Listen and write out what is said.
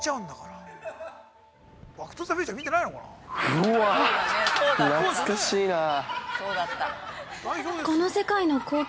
◆うわあ、懐かしいなあ。